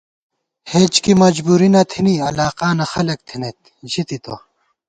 ہېچ کی مجبُوری نہ تھنی علاقانہ خلَک تھنَئیت ژِتِتہ